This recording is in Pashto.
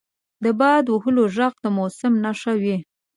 • د باد وهلو ږغ د موسم نښه وي.